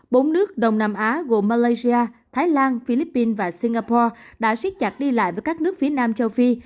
bốn nước đông nam á gồm malaysia thái lan philippines và singapore đã siết chặt đi lại với các nước phía nam châu phi